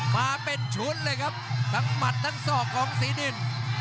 มาเป็นชุดเลยครับทั้งหมัดทั้งศอกของสีดิน